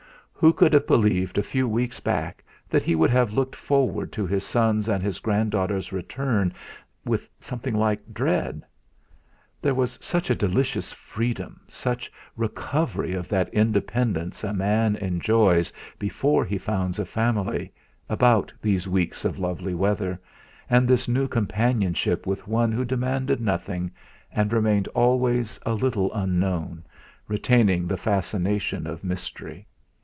Who could have believed a few weeks back that he would have looked forward to his son's and his grand daughter's return with something like dread! There was such a delicious freedom, such recovery of that independence a man enjoys before he founds a family, about these weeks of lovely weather, and this new companionship with one who demanded nothing, and remained always a little unknown, retaining the fascination of mystery.